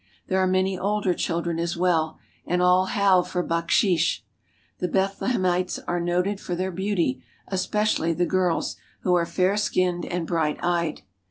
There are many older children as well, and all howl for bak sheesh. The Bethlehemites are noted for their beauty, especially the girls, who are fair skinned and bright eyed.